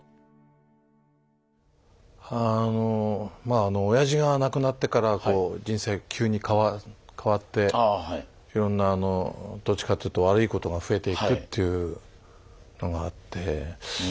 あのまあおやじが亡くなってから人生急に変わっていろんなあのどっちかというと悪いことが増えていくっていうのがあって。